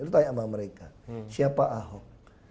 itu tanya sama mereka siapa ahok